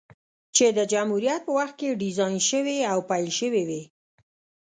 چې د جمهوريت په وخت کې ډيزاين شوې او پېل شوې وې،